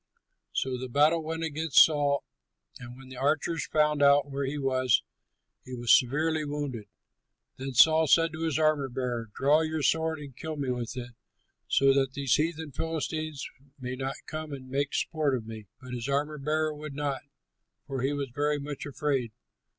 So the battle went against Saul, and when the archers found out where he was, he was severely wounded. Then Saul said to his armor bearer, "Draw your sword and kill me with it, so that these heathen Philistines may not come and make sport of me." But his armor bearer would not, for he was very much afraid.